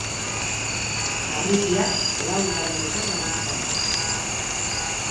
Barrutiak lau udalerritan banatuta dago.